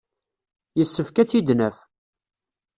Yessefk ad tt-id-naf.